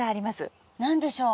何でしょう？